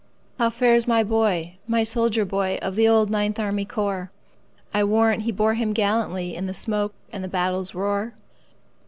"How fares my boy,—my soldier boy, Of the old Ninth Army Corps?I warrant he bore him gallantlyIn the smoke and the battle's roar!"